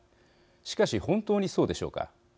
しかし、本当にそうでしょうか。